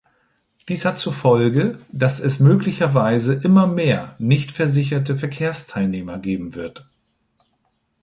Dies hat zur Folge, dass es möglicherweise immer mehr nicht versicherte Verkehrsteilnehmer geben wird.